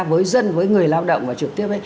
với dân với người lao động và trực tiếp